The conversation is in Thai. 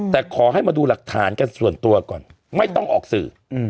แต่ขอให้มาดูหลักฐานกันส่วนตัวก่อนไม่ต้องออกสื่อ